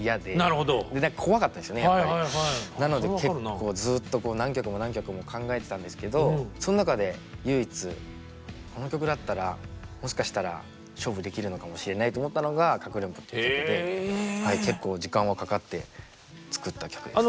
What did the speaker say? なので結構ずっと何曲も何曲も考えてたんですけどその中で唯一この曲だったらもしかしたら勝負できるのかもしれないと思ったのが「かくれんぼ」って曲で結構時間はかかって作った曲です。